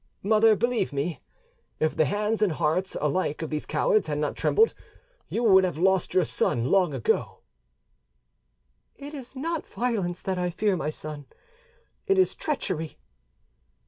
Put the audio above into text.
"Mother, believe me, if the hands and hearts alike of these cowards had not trembled, you would have lost your son long ago." "It is not violence that I fear, my son, it is treachery."